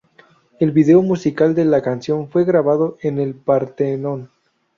El video musical de la canción fue grabado en el Partenón.